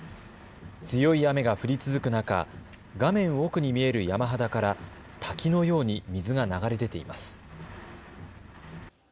強い雨が降り続く中、画面奥に見える山肌から滝のように水が流れ出ています。